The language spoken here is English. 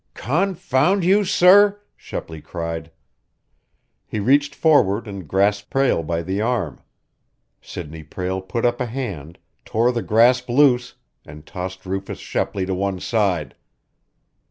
"Confound you, sir!" Shepley cried. He reached forward and grasped Prale by the arm. Sidney Prale put up a hand, tore the grasp loose, and tossed Rufus Shepley to one side.